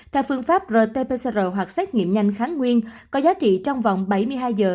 theo phương pháp rt pcr hoặc xét nghiệm nhanh kháng nguyên có giá trị trong vòng bảy mươi hai giờ